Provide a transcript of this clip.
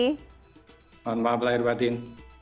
mohon maaf lahir batin